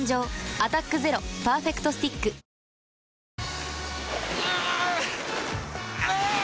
「アタックＺＥＲＯパーフェクトスティック」あ゛ーーー！